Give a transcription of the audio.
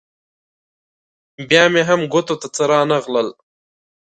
بیا مې هم ګوتو ته څه رانه غلل.